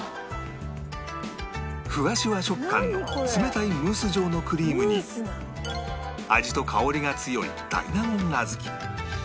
ふわしゅわ食感の冷たいムース状のクリームに味と香りが強い大納言小豆